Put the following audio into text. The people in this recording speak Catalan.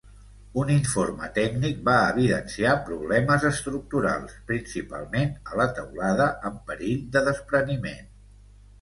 Un informe tècnic va evidenciar problemes estructurals, principalment a la teulada amb perill de despreniment.